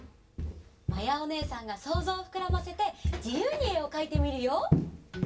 まやおねえさんがそうぞうをふくらませてじゆうにえをかいてみるよ。